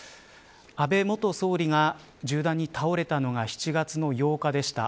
安倍元総理が銃弾に倒れたのが７月の８日でした。